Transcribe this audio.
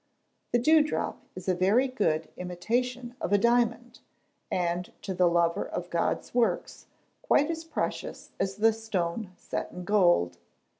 The dew drop is a very good imitation of a diamond, and to the lover of God's works, quite as precious as the stone set in gold.